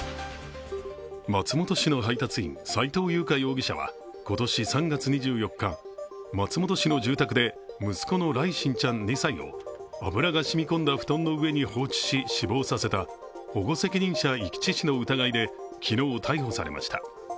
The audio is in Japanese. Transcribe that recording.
松本市の配達員斉藤優花容疑者は今年３月２４日、松本市の住宅で息子の來心ちゃん２歳を油が染み込んだ布団の上に放置し、死亡させた保護責任者遺棄致死の疑いで昨日、逮捕されました。